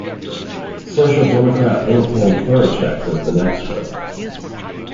Social democrat Leopold Horacek was the next one.